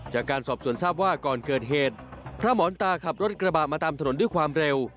จากการสอบสวนทราบว่าก่อนเกิดเหตุพระหมอนตาขับรถกระบะมาตามถนนด้วยความเร็ว